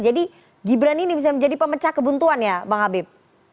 jadi gibran ini bisa menjadi pemecah kebuntuan ya bang habib